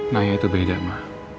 naya itu beda ma